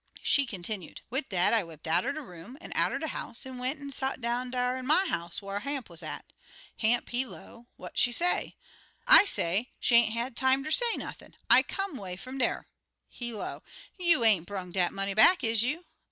She continued: "Wid dat, I whipt out er de room an' out er de house an' went an' sot down out dar in my house whar Hamp was at. Hamp, he low, 'What she say?' I say, 'She ain't had time ter say nothin' I come 'way fum dar.' He low, 'You ain't brung dat money back, is you?'